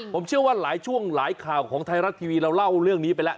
ผมเชื่อว่าหลายช่วงหลายข่าวของไทยรัฐทีวีเราเล่าเรื่องนี้ไปแล้ว